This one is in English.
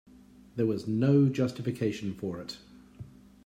There was no justification for it.